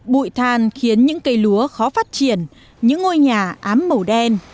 bụi than khiến những cây lúa khó phát triển những ngôi nhà ám màu đen